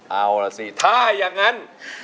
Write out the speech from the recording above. เอาล่ะสิถ้าอย่างนั้น